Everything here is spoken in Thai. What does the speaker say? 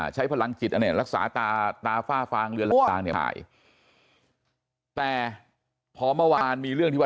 จานเอกบอกคงไม่ได้ไปแล้ว